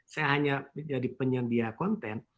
saya hanya menjadi penyedia konten